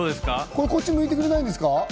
こっち向いてくれないんですか？